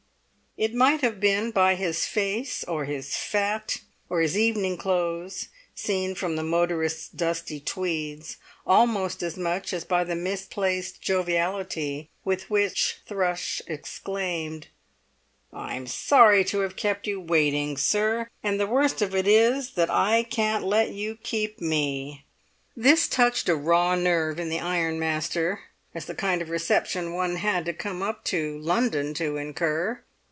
It might have been by his face, or his fat, or his evening clothes seen from the motorist's dusty tweeds, almost as much as by the misplaced joviality with which Thrush exclaimed: "I'm sorry to have kept you waiting, sir, and the worst of it is that I can't let you keep me!" This touched a raw nerve in the ironmaster, as the kind of reception one had to come up to London to incur.